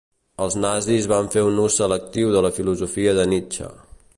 Els nazis van fer un ús selectiu de la filosofia de Nietzsche.